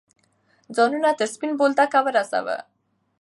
ځانونه تر سپین بولدکه ورسوه.